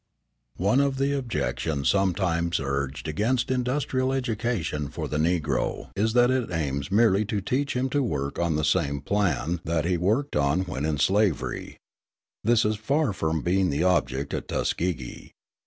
One of the objections sometimes urged against industrial education for the Negro is that it aims merely to teach him to work on the same plan that he worked on when in slavery. This is far from being the object at Tuskegee.